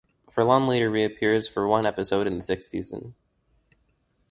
Furlan later reappears for one episode in the sixth season.